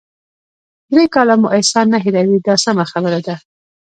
درې کاله مو احسان نه هیروي دا سمه خبره ده.